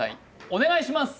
お願いします！